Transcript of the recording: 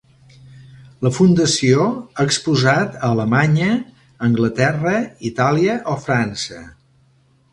La Fundació ha exposat a Alemanya, Anglaterra, Itàlia o França.